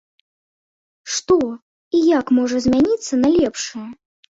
Што і як можа змяніцца на лепшае?